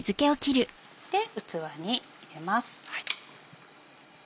で器に入れます。